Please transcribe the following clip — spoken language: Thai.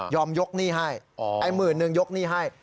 ยกหนี้ให้ไอ้หมื่นนึงยกหนี้ให้